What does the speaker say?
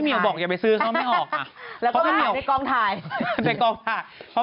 เหมาแต่ไม่ถูกแต่ก็ไม่เคยเรียนร่างความเจ็บปวด